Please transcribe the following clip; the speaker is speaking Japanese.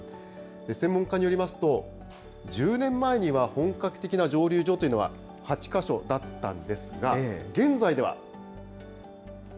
専門家によりますと、１０年前には本格的な蒸留所というのは８か所だったんですが、現在では。